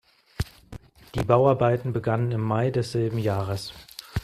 Die Bauarbeiten begannen im Mai desselben Jahres.